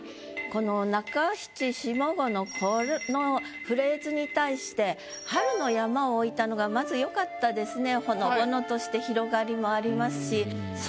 この中七下五のこのフレーズに対して「春の山」を置いたのがまず良かったですね。